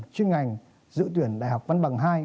chuyên ngành giữ tuyển đại học văn bằng hai